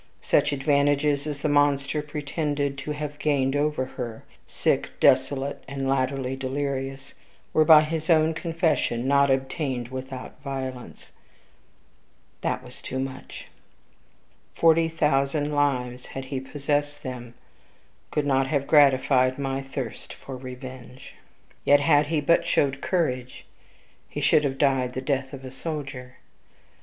Such advantages as the monster pretended to have gained over her sick, desolate, and latterly delirious were, by his own confession, not obtained without violence. This was too much. Forty thousand lives, had he possessed them, could not have gratified my thirst for revenge. Yet, had he but showed courage, he should have died the death of a soldier.